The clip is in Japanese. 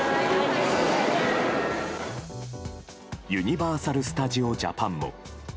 ユニバーサル・スタジオ・ジャパンも。